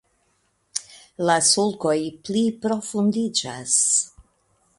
La sulkoj pliprofundiĝas.